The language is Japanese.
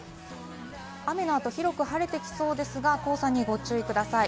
雨の後、広く晴れてきそうですが、黄砂にご注意ください。